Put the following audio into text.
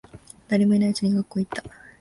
誰もいないうちに学校へ行った。